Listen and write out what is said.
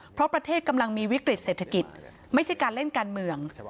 เพราะประเทศกำลังมีวิกฤตเศรษฐกิจไม่ใช่การเล่นการเมือง